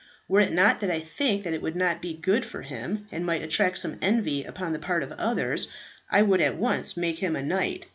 Were it not that I think that it would not be good for him, and might attract some envy upon the part of others, I would at once make him a knight.